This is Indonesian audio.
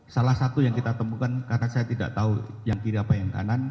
salah satu yang kita temukan karena saya tidak tahu yang kiri apa yang kanan